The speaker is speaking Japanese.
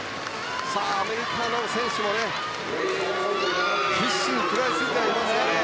アメリカの選手も必死に食らいついていますね。